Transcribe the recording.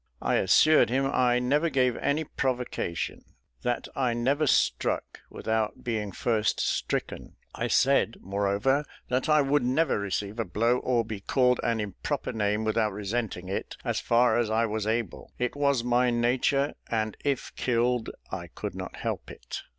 I assured him I never gave any provocation; that I never struck without being first stricken. I said, moreover, that I would never receive a blow or be called an improper name without resenting it, as far as I was able. It was my nature, and if killed, I could not help it.